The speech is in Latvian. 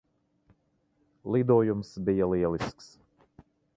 Lidojums bija lielisks.